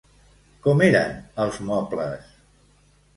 Com eren els mobles?